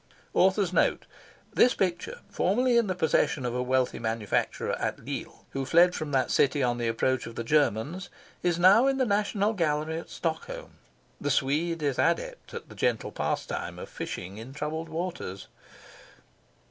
" This picture, formerly in the possession of a wealthy manufacturer at Lille, who fled from that city on the approach of the Germans, is now in the National Gallery at Stockholm. The Swede is adept at the gentle pastime of fishing in troubled waters.